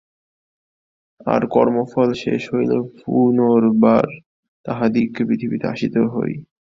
আর কর্মফল শেষ হইলে পুনর্বার তাহাদিগকে পৃথিবীতে আসিতে হয়।